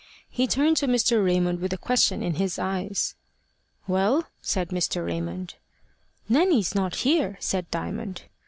He turned to Mr. Raymond with a question in his eyes. "Well?" said Mr. Raymond. "Nanny's not here," said Diamond.